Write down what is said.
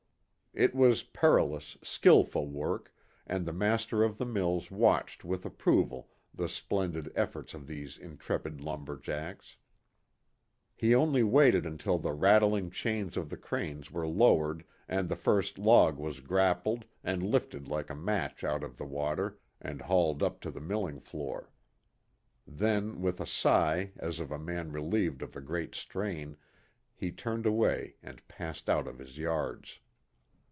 It was perilous, skilful work, and the master of the mills watched with approval the splendid efforts of these intrepid lumber jacks. He only waited until the rattling chains of the cranes were lowered and the first log was grappled and lifted like a match out of the water, and hauled up to the milling floor. Then, with a sigh as of a man relieved of a great strain, he turned away and passed out of his yards.